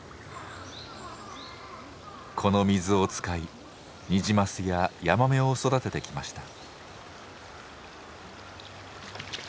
この水を使いニジマスやヤマメを育ててきました。